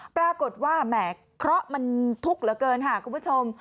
ปรากฏว่าแหมเคราะห์มันทุกข์เหลือเกินค่ะคุณผู้ชม